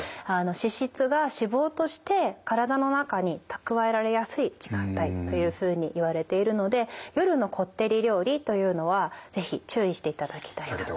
脂質が脂肪として体の中に蓄えられやすい時間帯というふうにいわれているので夜のこってり料理というのは是非注意していただきたいなと。